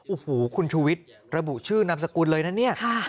โอ้โหคุณชูวิทย์ระบุชื่อนามสกุลเลยนะเนี่ย